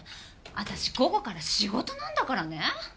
私午後から仕事なんだからね。